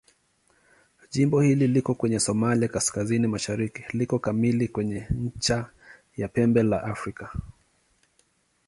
Jimbo hili liko kwenye Somalia kaskazini-mashariki liko kamili kwenye ncha ya Pembe la Afrika.